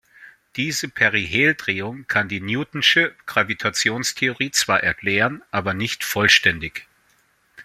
Diese Periheldrehung kann die newtonsche Gravitationstheorie zwar erklären, aber nicht vollständig.